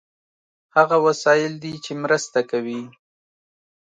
هغه وسایل دي چې مرسته کوي.